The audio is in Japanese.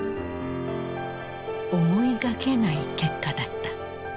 思いがけない結果だった。